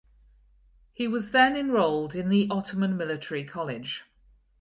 He was then enrolled in the Ottoman Military College.